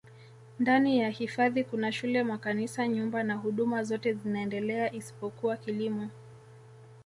ndani ya hifadhi Kuna shule makanisa nyumba na huduma zote zinaendelea isipokuwa kilimo